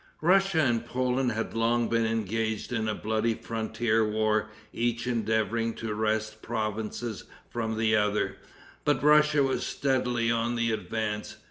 Russia and Poland had long been engaged in a bloody frontier war, each endeavoring to wrest provinces from the other; but Russia was steadily on the advance.